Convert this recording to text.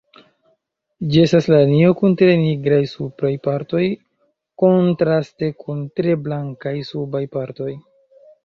Ĝi estas lanio kun tre nigraj supraj partoj kontraste kun tre blankaj subaj partoj.